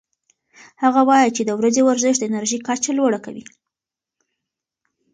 هغه وايي چې د ورځې ورزش د انرژۍ کچه لوړه کوي.